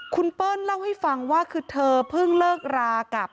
คุณเปิ้ลเล่าให้ฟังว่าคือเธอเพิ่งเลิกรากับ